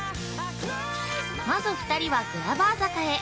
まず２人はグラバー坂へ。